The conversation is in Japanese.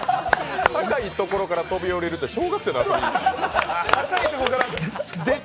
高いところから飛び降りるって小学生の遊びですよ。